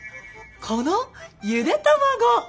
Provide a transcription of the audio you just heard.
このゆで卵。